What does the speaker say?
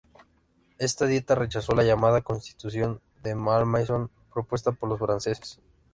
Esta Dieta rechazó la llamada Constitución de Malmaison propuesta por los franceses.